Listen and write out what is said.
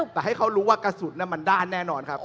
แต่ให้เขารู้ว่ากระสุนมันด้านแน่นอนครับ